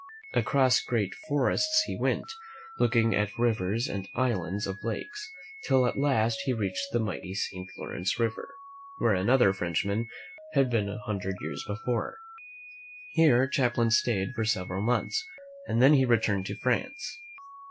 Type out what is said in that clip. Across great forests he went, looking at rivers and islands and lakes, till at last he reached the mighty St. Lawrence River, where another Frenchman had been a hundred years before. Here Champlain stayed for several months, and then he returned to France.'